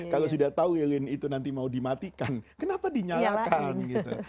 kalau sudah tahu lilin itu nanti mau dimatikan kenapa dinyalakan gitu